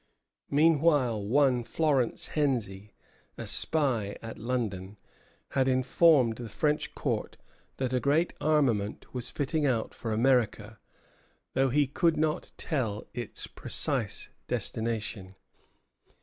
Meanwhile one Florence Hensey, a spy at London, had informed the French Court that a great armament was fitting out for America, though he could not tell its precise destination.